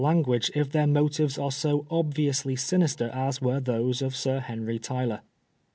language if their motives are so obviously sinister as were those of Sir Henry Tyler.